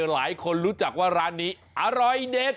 หลายคนรู้จักว่าร้านนี้อร่อยเด็ด